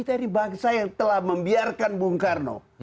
kita ini bangsa yang telah membiarkan bung karno